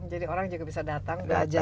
jadi orang juga bisa datang belajar